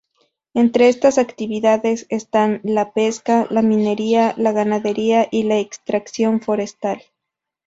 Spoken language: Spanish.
Entre estas actividades están: la pesca, la minería, la ganadería y la extracción forestal.